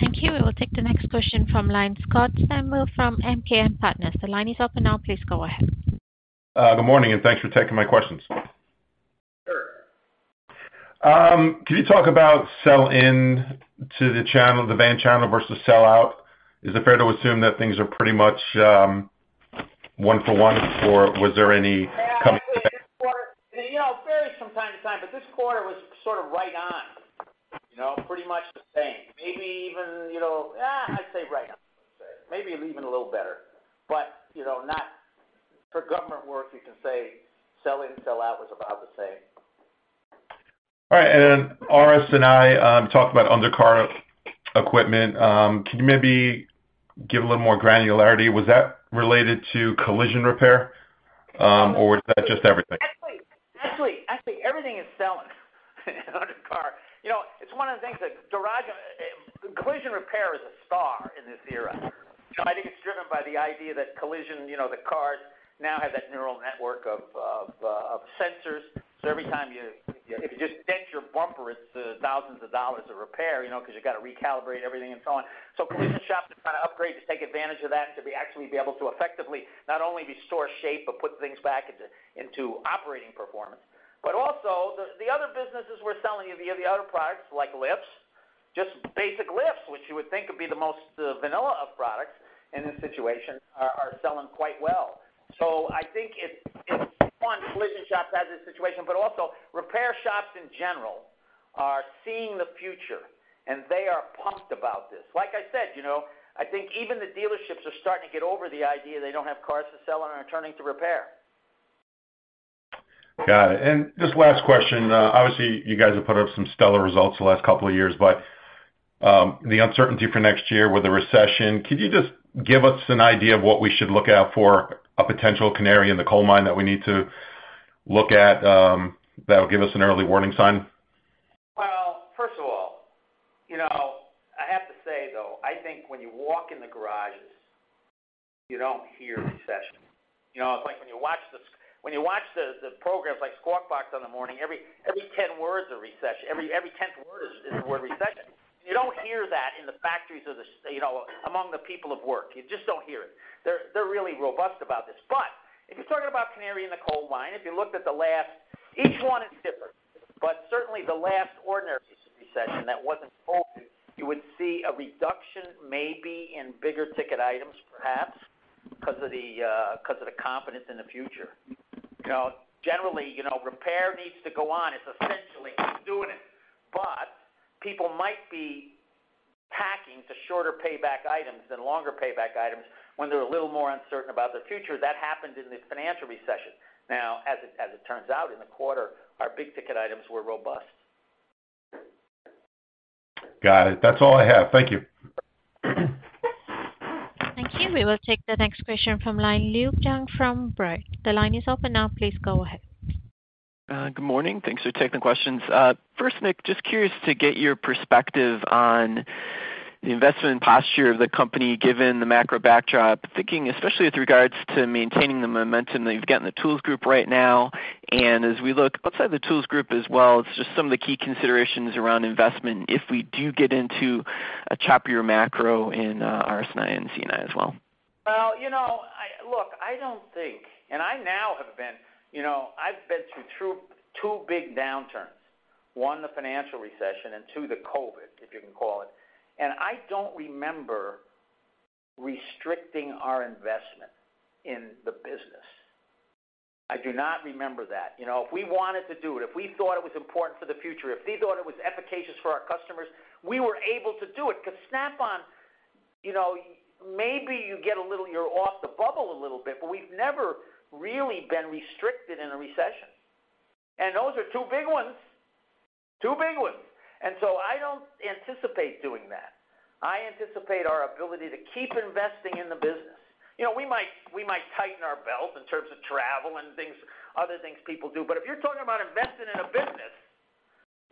Thank you. We will take the next question from line. Scott Stember from MKM Partners. The line is open now. Please go ahead. Good morning, and thanks for taking my questions. Sure. Can you talk about sell-in to the channel, the van channel versus sell out? Is it fair to assume that things are pretty much one-for-one, or was there any Yeah, this quarter, you know, it varies from time to time, but this quarter was sort of right on. You know, pretty much the same. Maybe even, you know, I'd say right on. Maybe even a little better. But, you know, not. For government work, you can say sell-in, sell out was about the same. All right. RS&I talked about undercar equipment. Can you maybe give a little more granularity? Was that related to collision repair, or was that just everything? Actually, everything is selling on the car. You know, it's one of the things that drives. Collision repair is a star in this era. I think it's driven by the idea that collision, you know, the cars now have that neural network of sensors. Every time if you just dent your bumper, it's thousands of dollars of repair, you know, because you got to recalibrate everything and so on. Collision shops are trying to upgrade to take advantage of that, to actually be able to effectively not only restore shape, but put things back into operating performance. Also the other businesses we're selling, the other products like lifts, just basic lifts, which you would think would be the most vanilla of products in this situation, are selling quite well. I think it's one, collision shops has this situation, but also repair shops in general are seeing the future, and they are pumped about this. Like I said, you know, I think even the dealerships are starting to get over the idea they don't have cars to sell and are turning to repair. Got it. Just last question. Obviously, you guys have put up some stellar results the last couple of years, but the uncertainty for next year with the recession, could you just give us an idea of what we should look out for a potential canary in the coal mine that we need to look at, that'll give us an early warning sign? Well, first of all, you know, I have to say, though, I think when you walk in the garages, you don't hear recession. You know, it's like when you watch the programs like Squawk Box in the morning, every 10 words are recession. Every 10th word is the word recession. You don't hear that in the factories, you know, among the people at work. You just don't hear it. They're really robust about this. If you're talking about canary in the coal mine, if you looked at the last. Each one is different. Certainly the last ordinary recession that wasn't COVID, you would see a reduction maybe in big-ticket items, perhaps, because of the confidence in the future. You know, generally, you know, repair needs to go on. It's essentially doing it. People might be opting for shorter payback items than longer payback items when they're a little more uncertain about the future. That happened in the financial recession. Now, as it turns out, in the quarter, our big-ticket items were robust. Got it. That's all I have. Thank you. Thank you. We will take the next question from line. Luke Junk from Baird. The line is open now. Please go ahead. Good morning. Thanks for taking the questions. First, Nick, just curious to get your perspective on the investment posture of the company given the macro backdrop, thinking especially with regards to maintaining the momentum that you've got in the tools group right now. As we look outside the tools group as well, it's just some of the key considerations around investment if we do get into a choppier macro in RS&I and C&I as well. Well, you know, look, I don't think, and I now have been, you know, I've been through two big downturns. One, the financial recession, and two, the COVID, if you can call it. I don't remember restricting our investment in the business. I do not remember that. You know, if we wanted to do it, if we thought it was important for the future, if we thought it was efficacious for our customers, we were able to do it because Snap-on, you know, maybe you get a little-- you're off the bubble a little bit, but we've never really been restricted in a recession. Those are two big ones. Two big ones. I don't anticipate doing that. I anticipate our ability to keep investing in the business. You know, we might tighten our belt in terms of travel and things, other things people do. If you're talking about investing in a business,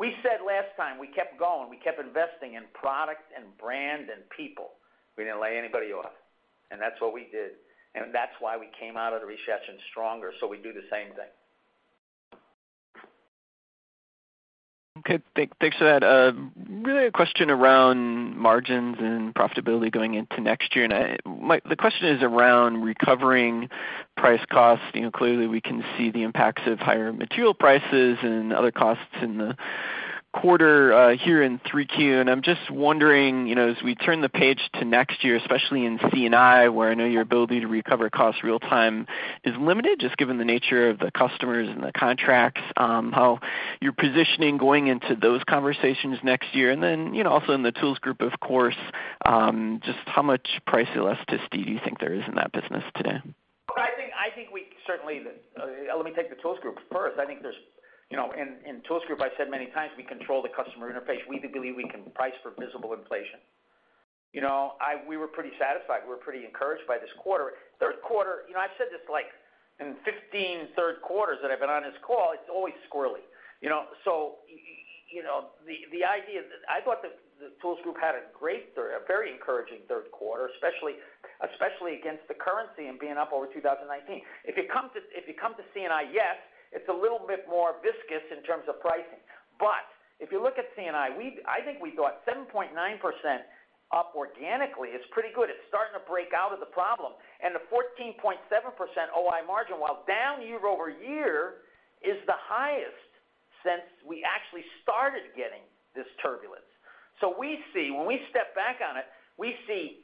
we said last time we kept going, we kept investing in product and brand and people. We didn't lay anybody off, and that's what we did, and that's why we came out of the recession stronger. We do the same thing. Thanks for that. Really a question around margins and profitability going into next year. The question is around recovering price costs. You know, clearly we can see the impacts of higher material prices and other costs in the quarter here in 3Q. I'm just wondering, you know, as we turn the page to next year, especially in C&I, where I know your ability to recover costs real time is limited, just given the nature of the customers and the contracts, how you're positioning going into those conversations next year. Then, you know, also in the tools group, of course, just how much price elasticity do you think there is in that business today? I think we certainly. Let me take the tools group first. I think there's, you know, in tools group, I said many times we control the customer interface. We believe we can price for visible inflation. You know, we were pretty satisfied. We're pretty encouraged by this quarter. Third quarter, you know, I've said this, like, in 15 third quarters that I've been on this call, it's always squirrely. You know, the idea. I thought the tools group had a great third, a very encouraging third quarter, especially against the currency and being up over 2019. If it comes to C&I, yes, it's a little bit more viscous in terms of pricing. But if you look at C&I, we, I think we thought 7.9% up organically is pretty good. It's starting to break out of the problem. The 14.7% OI margin, while down year-over-year, is the highest since we actually started getting this turbulence. We see, when we step back on it, we see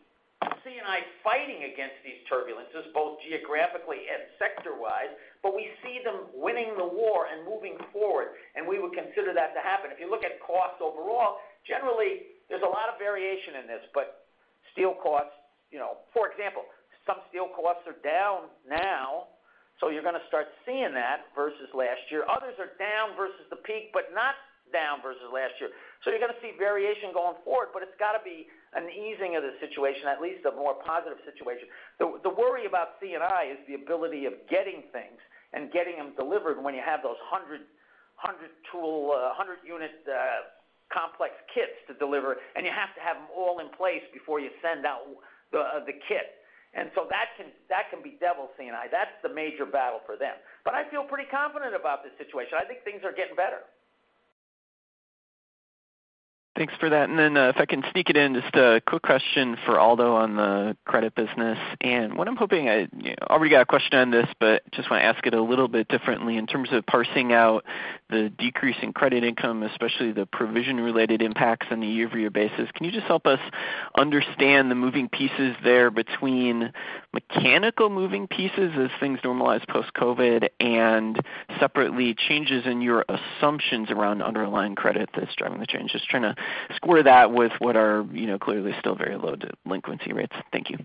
C&I fighting against these turbulences, both geographically and sector-wise, but we see them winning the war and moving forward, and we would consider that to happen. If you look at cost overall, generally, there's a lot of variation in this, but steel costs, you know, for example, some steel costs are down now, so you're gonna see that versus last year. Others are down versus the peak, but not down versus last year. You're gonna see variation going forward, but it's gotta be an easing of the situation, at least a more positive situation. The worry about C&I is the ability of getting things and getting them delivered when you have those 100-tool, 100-unit complex kits to deliver, and you have to have them all in place before you send out the kit. That can bedevil C&I. That's the major battle for them. I feel pretty confident about this situation. I think things are getting better. Thanks for that. If I can sneak it in, just a quick question for Aldo on the credit business. What I'm hoping, I, you know, already got a question on this, but just wanna ask it a little bit differently. In terms of parsing out the decrease in credit income, especially the provision related impacts on a year-over-year basis, can you just help us understand the moving pieces there between mechanical as things normalize post-COVID, and separately changes in your assumptions around underlying credit that's driving the change? Just trying to square that with what are, you know, clearly still very low delinquency rates. Thank you.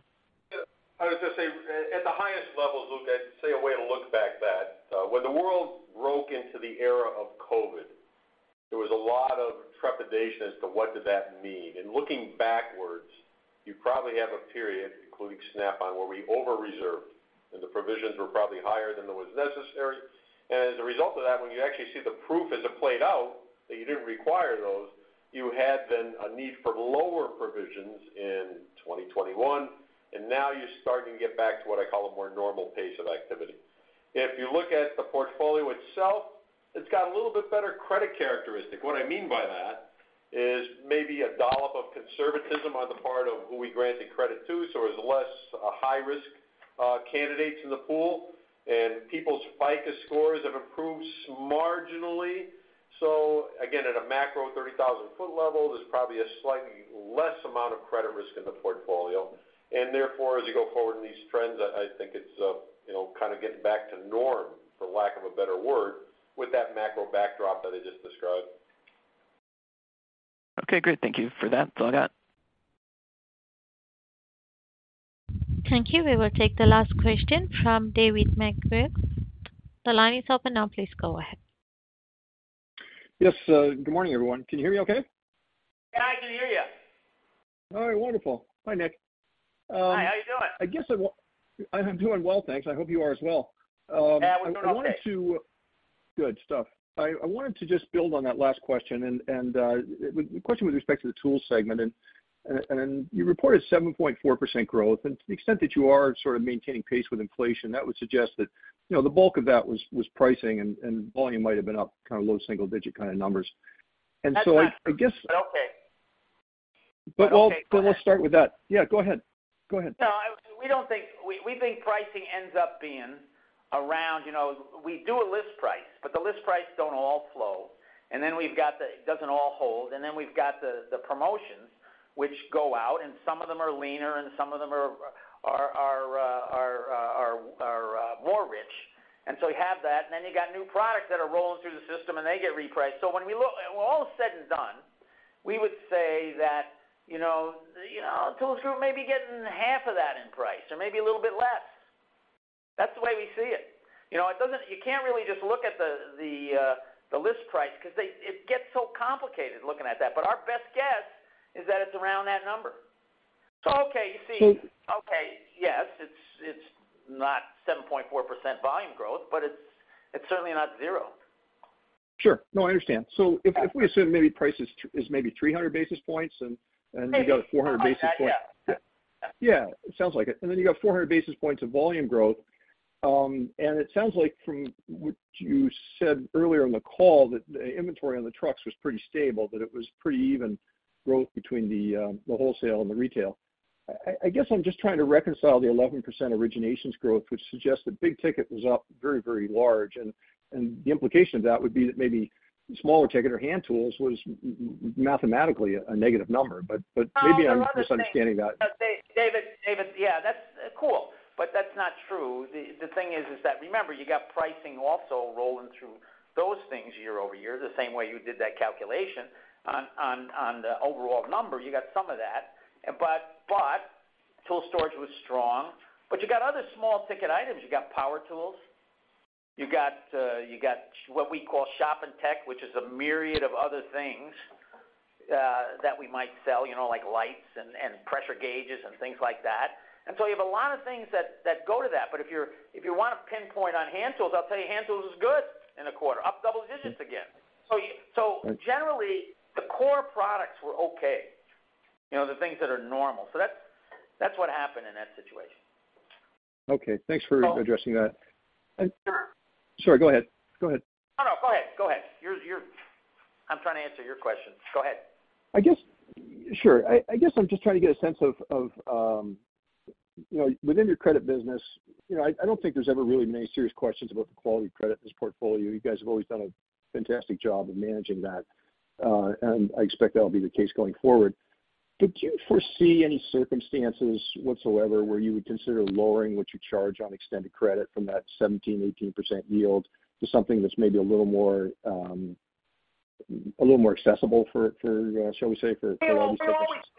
I was gonna say, at the highest level, Luke, I'd say a way to look back that, when the world broke into the era of COVID, there was a lot of trepidation as to what did that mean. Looking backwards, you probably have a period, including Snap-on, where we over-reserved, and the provisions were probably higher than it was necessary. As a result of that, when you actually see the proof as it played out that you didn't require those, you had then a need for lower provisions in 2021, and now you're starting to get back to what I call a more normal pace of activity. If you look at the portfolio itself, it's got a little bit better credit characteristic. What I mean by that is maybe a dollop of conservatism on the part of who we granted credit to, so there's less high risk candidates in the pool, and people's FICO scores have improved marginally. Again, at a macro 30,000-foot level, there's probably a slightly less amount of credit risk in the portfolio. Therefore, as you go forward in these trends, I think it's you know, kind of getting back to norm, for lack of a better word, with that macro backdrop that I just described. Okay, great. Thank you for that. That's all I got. Thank you. We will take the last question from David MacGregor. The line is open now. Please go ahead. Yes. Good morning, everyone. Can you hear me okay? Yeah, I can hear you. All right. Wonderful. Hi, Nick. Hi, how are you doing? I guess I'm doing well, thanks. I hope you are as well. Yeah, we're doing okay. Good stuff. I wanted to just build on that last question and the question with respect to the tool segment. You reported 7.4% growth. To the extent that you are sort of maintaining pace with inflation, that would suggest that, you know, the bulk of that was pricing and volume might have been up kind of low single digit kinda numbers. I guess- Okay We'll start with that. Yeah, go ahead. No, we don't think. We think pricing ends up being around, you know, we do a list price, but the list price don't all flow. It doesn't all hold. Then we've got the promotions which go out, and some of them are leaner and some of them are more rich. You have that, and then you got new products that are rolling through the system, and they get repriced. When all is said and done, we would say that, you know, Tools Group may be getting half of that in price or maybe a little bit less. That's the way we see it. You know, it doesn't. You can't really just look at the list price because it gets so complicated looking at that. But our best guess is that it's around that number. Okay, you see- So- Okay, yes, it's not 7.4% volume growth, but it's certainly not zero. Sure. No, I understand. If we assume maybe price is maybe 300 basis points and you've got 400 basis points. Yeah. Yeah, it sounds like it. Then you've got 400 basis points of volume growth. It sounds like from what you said earlier in the call that the inventory on the trucks was pretty stable, that it was pretty even growth between the wholesale and the retail. I guess I'm just trying to reconcile the 11% originations growth, which suggests that big ticket was up very, very large, and the implication of that would be that maybe smaller ticket or hand tools was mathematically a negative number. But maybe I'm- No, there are other things. Misunderstanding that. David, yeah, that's cool, but that's not true. The thing is that remember, you got pricing also rolling through those things year-over-year, the same way you did that calculation on the overall number. You got some of that. Tool storage was strong, but you got other small ticket items. You got power tools. You got what we call shop and tech, which is a myriad of other things that we might sell, you know, like lights and pressure gauges and things like that. You have a lot of things that go to that. If you wanna pinpoint on hand tools, I'll tell you hand tools is good in the quarter, up double digits again. So y- Okay. Generally, the core products were okay, you know, the things that are normal. That's what happened in that situation. Okay. So- addressing that. Sure. Sorry, go ahead. Go ahead. Oh, no, go ahead. I'm trying to answer your question. Go ahead. I guess. Sure. I guess I'm just trying to get a sense of, you know, within your credit business, you know, I don't think there's ever really many serious questions about the quality of credit in this portfolio. You guys have always done a fantastic job of managing that, and I expect that'll be the case going forward. Do you foresee any circumstances whatsoever where you would consider lowering what you charge on extended credit from that 17%-18% yield to something that's maybe a little more accessible for, shall we say, for all these circumstances?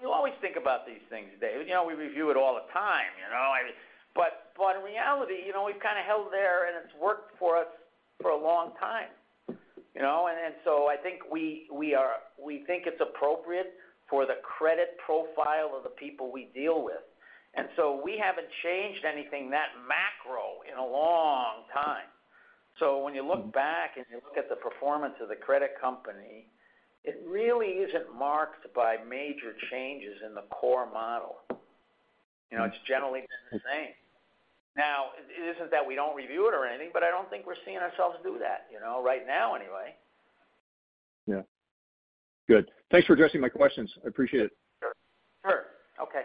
We always think about these things, David. You know, we review it all the time, you know. I mean, but in reality, you know, we've kinda held there, and it's worked for us for a long time, you know. I think we think it's appropriate for the credit profile of the people we deal with. We haven't changed anything that macro in a long time. When you look back and you look at the performance of the credit company, it really isn't marked by major changes in the core model. You know, it's generally been the same. Now, it isn't that we don't review it or anything, but I don't think we're seeing ourselves do that, you know, right now anyway. Yeah. Good. Thanks for addressing my questions. I appreciate it. Sure. Okay.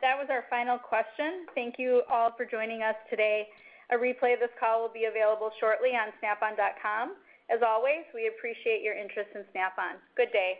That was our final question. Thank you all for joining us today. A replay of this call will be available shortly on snapon.com. As always, we appreciate your interest in Snap-on. Good day.